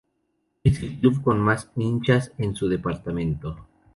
Es el club con más hinchas en su departamento.